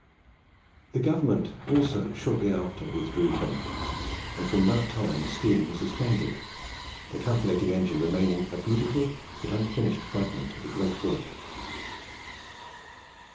The government also shortly after withdrew from it, and from that time the scheme was suspended, the Calculating Engine remaining a beautiful but unfinished fragment of a great work.